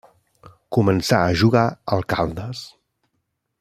Començà a jugar al Caldas.